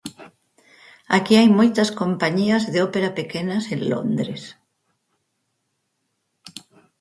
Aquí hai moitas compañías de ópera pequenas en Londres.